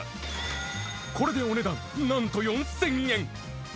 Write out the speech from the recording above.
これでお値段、なんと４０００円。